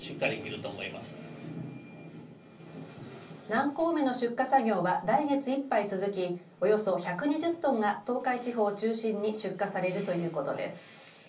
南高梅の出荷作業は来月いっぱい続きおよそ１２０トンが東海地方を中心に出荷されるということです。